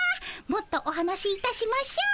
もっとお話しいたしましょう。